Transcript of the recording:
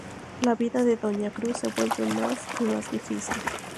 La vida de Doña Cruz se vuelve más y más difícil...